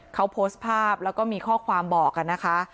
เขาโพสต์ภาพแล้วก็มีข้อความบอกนะคะ